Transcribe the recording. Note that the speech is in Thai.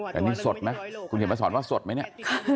แต่นี่สดมั้ยคุณเห็นประสอบว่าสดมั้ยเนี่ย